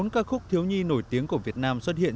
bốn ca khúc thiếu nhi nổi tiếng của việt nam xuất hiện